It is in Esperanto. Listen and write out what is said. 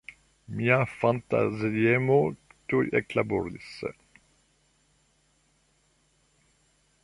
Mia fantaziemo tuj eklaboris.